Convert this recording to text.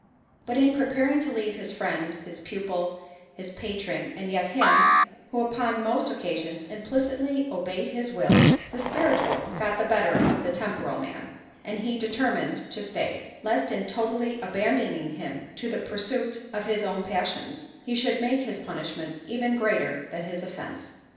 But, in preparing to leave his friend, his pupil, his patron, and yet him, who, upon most occasions, implicitly obeyed his will, the spiritual got the better of the temporal man, and he determined to stay, lest in totally abandoning him to the pursuit of his own passions, he should make his punishment even greater than his offence.